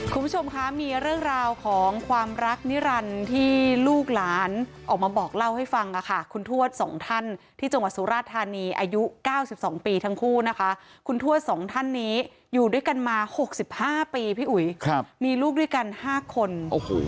คุณผู้ชมคะมีเรื่องราวของความรักนิรันดิ์ที่ลูกหลานออกมาบอกเล่าให้ฟังค่ะคุณทวดสองท่านที่จังหวัดสุราธานีอายุ๙๒ปีทั้งคู่นะคะคุณทวดสองท่านนี้อยู่ด้วยกันมา๖๕ปีพี่อุ๋ยมีลูกด้วยกัน๕คน